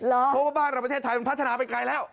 เพราะว่าบ้านเราประเทศไทยมันพัฒนาไปไกลแล้ว